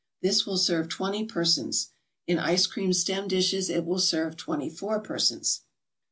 This will serve twenty persons. In ice cream stem dishes it will serve twenty four persons.